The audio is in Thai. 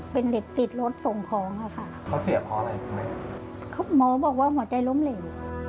เป็นเด็ดติดรถสาย